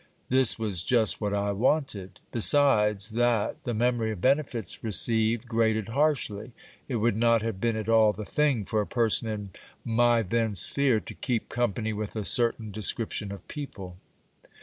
This was just what I wanted. Besides that the memory of benefits received grated harshly, it would not have been at all the thing for a person in my then sphere to keep company with a certain description of people.